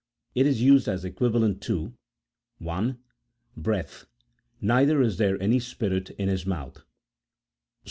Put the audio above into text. It is used as equivalent to, (1.) Breath: "Neither is there any spirit in his mouth," Ps.